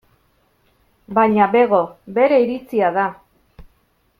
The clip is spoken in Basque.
Baina bego, bere iritzia da.